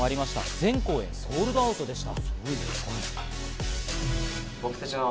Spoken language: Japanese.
全公演ソールドアウトでした。